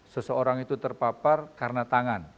seseorang itu terpapar karena tangan